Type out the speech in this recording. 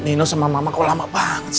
nino sama mama kok lama banget